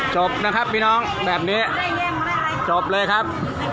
จบนะครับพี่น้องแบบนี้จบเลยครับ